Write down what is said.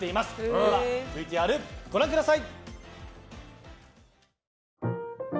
ではＶＴＲ、ご覧ください！